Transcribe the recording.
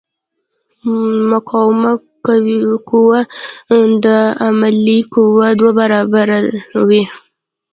مقاومه قوه د عاملې قوې دوه برابره وي.